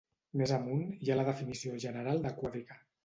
Més amunt, hi ha la definició general de quàdrica.